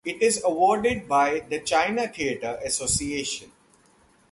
It is awarded by the China Theatre Association.